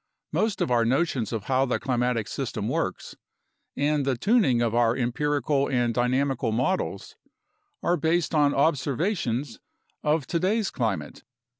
Most of our notions of how the climatic system works, and the tuning of our empirical and dynamical models, are based on observations of today's climate.